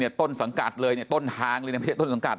ต้นสังกัดเลยเนี่ยต้นทางเลยนะไม่ใช่ต้นสังกัด